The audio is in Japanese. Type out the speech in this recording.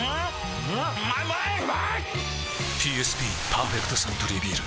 ＰＳＢ「パーフェクトサントリービール」